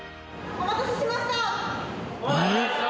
お待たせしました！